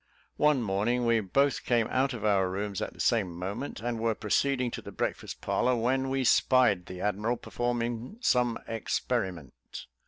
One morning we both came out of our rooms at the same moment, and were proceeding to the breakfast parlour, when we spied the admiral performing some experiment.